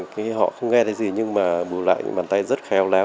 khi họ không nghe thấy gì nhưng mà bù lại những bàn tay rất khéo léo